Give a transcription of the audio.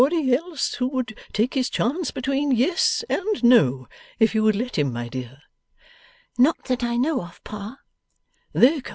'Is there anybody else who would take his chance between Yes and No, if you would let him, my dear?' 'Not that I know of, Pa.